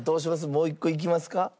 もう１個いきますか？